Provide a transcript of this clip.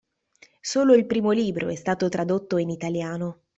Solo il primo libro è stato tradotto in italiano.